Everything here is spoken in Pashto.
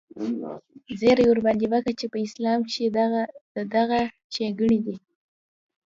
زيرى ورباندې وکه چې په اسلام کښې دغه دغه ښېګڼې دي.